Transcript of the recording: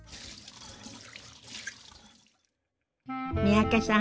三宅さん